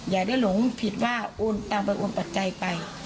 อย่าได้หลงผิดว่าโอนตามไปโอนปัจจัยไป